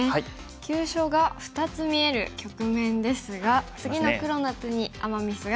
急所が２つ見える局面ですが次の黒の手にアマ・ミスがあるようです。